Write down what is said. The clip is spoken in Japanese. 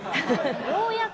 ようやく。